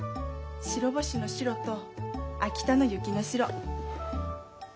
白星の白と秋田の雪の白。